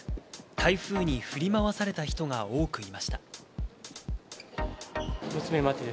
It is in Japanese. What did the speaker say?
台風に振り回された人が多くいました。